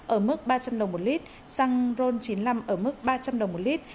ở mức ba trăm linh đồng một lít xăng ron chín mươi năm ở mức ba trăm linh đồng một lít